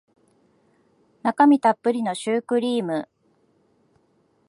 中身たっぷりのシュークリーム